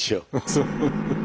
そう。